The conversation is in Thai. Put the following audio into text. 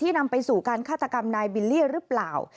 นำไปสู่การฆาตกรรมนายบิลลี่หรือเปล่า